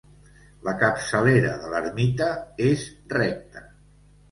La capçalera de l'ermita és recta.